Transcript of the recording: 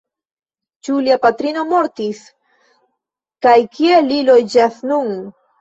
Ĉu lia patrino mortis!? kaj kie li loĝas nun?